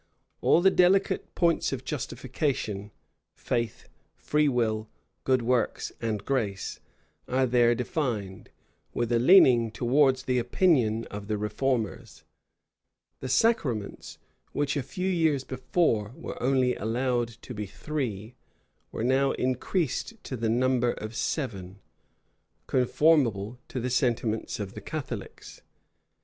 All the delicate points of justification, faith, free will, good works, and grace, are there defined, with a leaning towards the opinion of the reformers: the sacraments, which a few years before were only allowed to be three, were now increased to the number of seven, conformable to the sentiments of the Catholics.